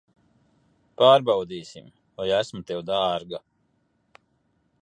Pārbaudīsim, vai esmu tev dārga.